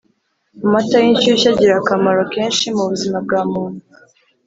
Amata y’inshushyu agira akomaro kenshi mu buzima bwa muntu